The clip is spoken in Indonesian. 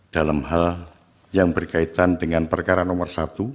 dalam hal yang berkaitan dengan perkara nomor satu